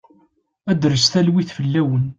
Ad d-tres talwit fell-awen.